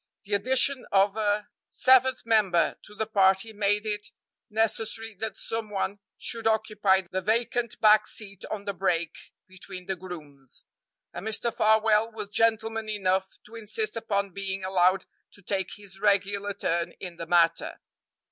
The addition of a seventh member to the party made it necessary that some one should occupy the vacant back seat on the brake between the grooms, and Mr. Farwell was gentleman enough to insist upon being allowed to take his regular turn in the matter.